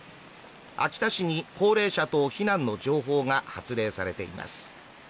秋田市に高齢者等避難の情報が発令されています。